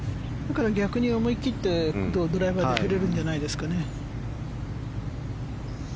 逆に思い切ってドライバーで振れるんじゃないですかね。